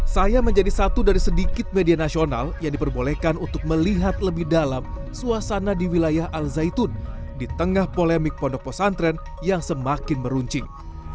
saya menjadi satu dari sedikit media nasional yang diperbolehkan untuk melihat lebih dalam suasana di wilayah al zaitun di tengah polemik pondok pesantren yang semakin meruncing